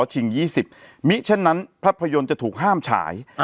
ชิง๒๐มิเช่นนั้นภาพยนตร์จะถูกห้ามฉาย